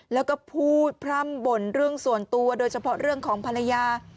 แล้วก็พูดพร่ำบ่นเรื่องส่วนตัวโดยเฉพาะเรื่องของภรรยา